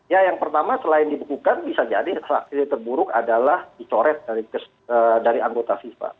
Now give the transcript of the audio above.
yang pertama selain dibukukan bisa jadi saksi terburuk adalah dicoret dari anggota fifa